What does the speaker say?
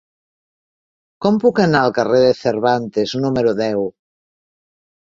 Com puc anar al carrer de Cervantes número deu?